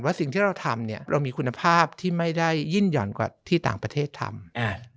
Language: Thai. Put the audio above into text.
สิ่งที่เราทำเนี่ยเรามีคุณภาพที่ไม่ได้ยิ่งห่อนกว่าที่ต่างประเทศทำ